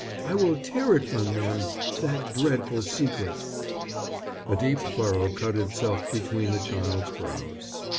I will tear it from them, that dreadful secret!" A deep furrow cut itself between the child's brows.